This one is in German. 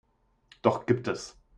Doch gibt es.